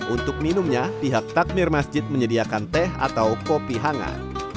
untuk minumnya pihak takmir masjid menyediakan teh atau kopi hangat